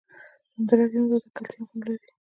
همدارنګه یو اندازه کلسیم هم لري.